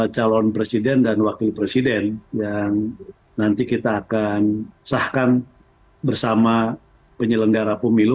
calon presiden dan wakil presiden yang nanti kita akan sahkan bersama penyelenggara pemilu